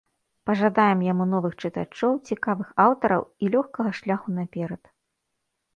Пажадаем яму новых чытачоў, цікавых аўтараў і лёгкага шляху наперад!